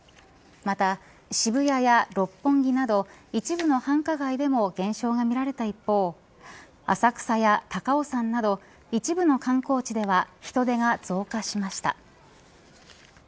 また、渋谷や六本木など一部の繁華街でも現象が見られた一方浅草や高尾山など一部の観光地では人出が増加しました。